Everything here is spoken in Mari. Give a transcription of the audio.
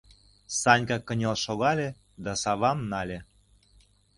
Санька кынел шогале да савам нале.